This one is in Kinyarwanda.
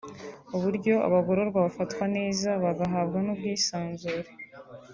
uburyo abagororwa bafatwa neza bagahabwa n’ubwisanzure